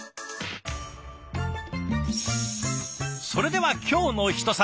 それでは「きょうのひと皿」。